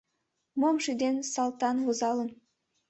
Мом шӱден Салтан возалын.